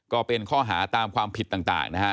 ก็เป็นข้อหาตามความผิดต่างนะฮะ